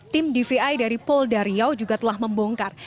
tim dvi dari pol dariow juga telah membongkar